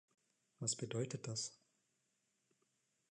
Was bedeutet das?